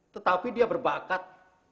tetapi dia berbakat